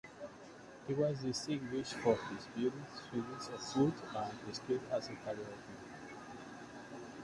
He was distinguished for his beauty, swiftness of foot, and skill as a charioteer.